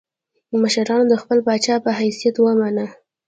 مشرانو د خپل پاچا په حیث ومانه.